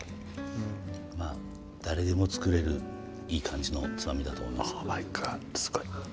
まあ誰でも作れるいい感じのつまみだと思います。